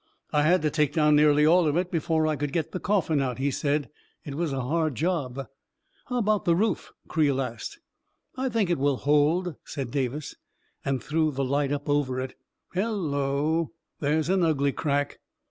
" I had to take down nearly all of it before I could get the coffin out," he said; " it was. a hard job." " How about the roof? " Creel asked. " I think it will hold," said Davis, and threw the light up over it. " Hello 1 There's an ugly crack